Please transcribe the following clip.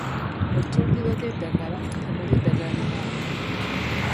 Mu ttundiro ly'eddagala temuli ddagala limala.